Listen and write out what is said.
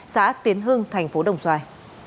xã tiến hưng thành phố đồng xoài